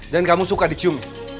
dan kamu suka diciumi